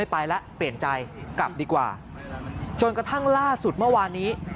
ไปแล้วเปลี่ยนใจกลับดีกว่าจนกระทั่งล่าสุดเมื่อวานนี้